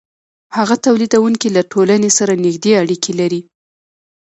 هغه تولیدونکی له ټولنې سره نږدې اړیکې لري